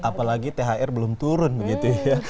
apalagi thr belum turun begitu ya